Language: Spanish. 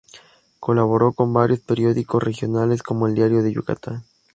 Colaboró con varios periódicos regionales como el Diario de Yucatán.